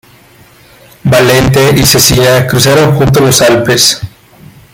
Valente y Cecina cruzaron juntos los Alpes.